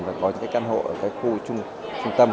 và có những cái căn hộ ở cái khu trung tâm